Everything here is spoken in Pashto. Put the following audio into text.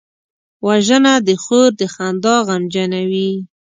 وژنه د خور د خندا غمجنوي